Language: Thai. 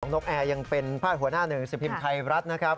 นกแอร์ยังเป็นพาดหัวหน้าหนึ่งสิบพิมพ์ไทยรัฐนะครับ